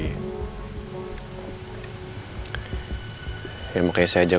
ya makanya saya ajak ngobrolin disini kan lagi adem